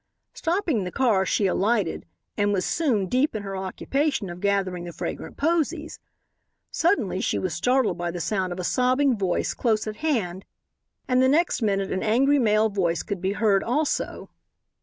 Stopping the car she alighted and was soon deep in her occupation of gathering the fragrant posies. Suddenly she was startled by the sound of a sobbing voice close at hand, and the next minute an angry male voice could be heard also.